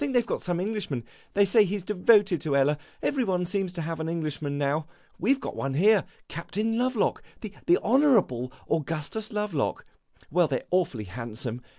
They 've got some Englishman. They say he 's devoted to Ella. Every one seems to have an Englishman, now. We 've got one here, Captain Lovelock, the Honourable Augustus Lovelock. Well, they 're awfully handsome.